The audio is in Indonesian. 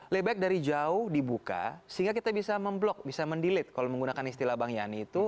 layback dari jauh dibuka sehingga kita bisa memblok bisa mendelate kalau menggunakan istilah bang yani itu